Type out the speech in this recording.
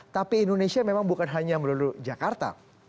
tapi indonesia memang bukan hanya melalui jakarta